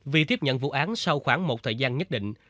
vì tiếp nhận vụ án sau khoảng một thời gian nhất định